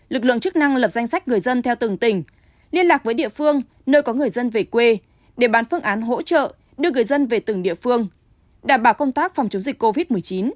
lực lượng chức năng lập danh sách người dân theo từng tỉnh liên lạc với địa phương nơi có người dân về quê để bàn phương án hỗ trợ đưa người dân về từng địa phương đảm bảo công tác phòng chống dịch covid một mươi chín